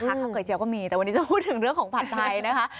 ข้าวก๋วก็มีแต่วันนี้จะพูดถึงเรื่องของผัดไทยนะคะ